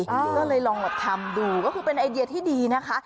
ก็เลยลองแบบทำดูก็คือเป็นไอเดียที่ดีนะคะ